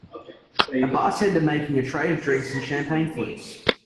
A bartender making a tray of drinks in champagne flutes.